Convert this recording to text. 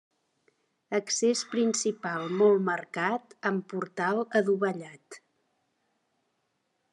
Accés principal molt marcat amb portal adovellat.